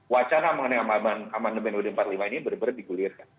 wacana mengenai amandemen ud empat puluh lima ini benar benar digulirkan